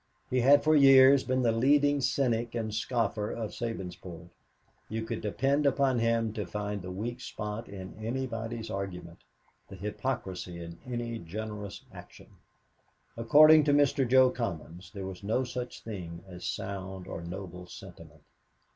He had for years been the leading cynic and scoffer of Sabinsport. You could depend upon him to find the weak spot in anybody's argument, the hypocrisy in any generous action. According to Mr. Jo Commons there was no such thing as sound or noble sentiment.